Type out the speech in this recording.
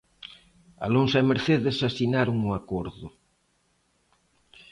Alonso e Mercedes asinaron o acordo.